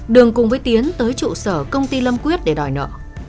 đường cùng với tiến tới trụ sở công ty lâm quyết để đòi nợ